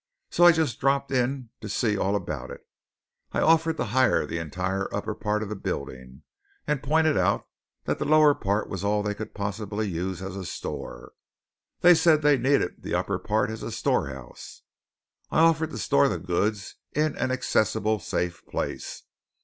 So I just dropped in to see them about it. I offered to hire the entire upper part of the building; and pointed out that the lower part was all they could possibly use as a store. They said they needed the upper part as storehouse. I offered to store the goods in an accessible safe place.